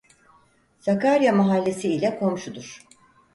Sakarya Mahallesi ile komşudur.